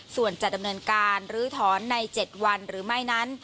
ส่วนจะดำเนินการลื้อถอนใน๗วันหรือไม่นั้น